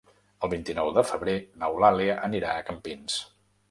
El vint-i-nou de febrer n'Eulàlia anirà a Campins.